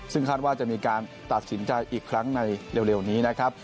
ซึ่งคาดว่าจะมีการตัดสินใจอีกครั้งในเร็วนี้นะครับ